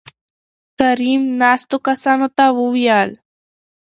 کريم : ناستو کسانو ته وويل